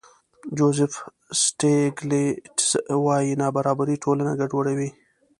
جوزف سټېګلېټز وايي نابرابري ټولنه ګډوډوي.